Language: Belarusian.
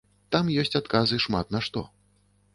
Там ёсць адказы шмат на што.